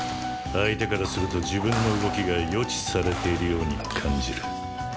相手からすると自分の動きが予知されているように感じる。